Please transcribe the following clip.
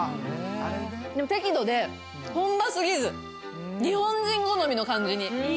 でも適度で本場過ぎず日本人好みの感じに。